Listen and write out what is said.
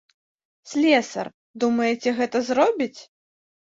Слесар, думаеце, гэта зробіць?